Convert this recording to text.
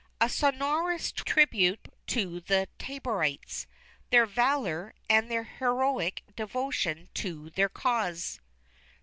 A sonorous tribute to the Taborites, their valor, and their heroic devotion to their cause.